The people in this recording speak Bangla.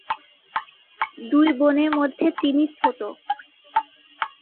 দুই বোনের মধ্যে তিনি ছোট।